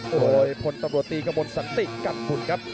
โอ้โหพลตำรวจตีกระบวนสันติกัดบุตรครับ